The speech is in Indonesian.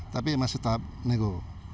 tapi masih tahap nego